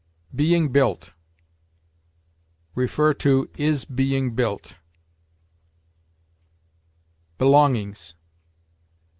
BEING BUILT. See IS BEING BUILT. BELONGINGS.